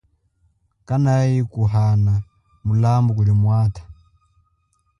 Kanayi kuhana mulambu kuli mwatha.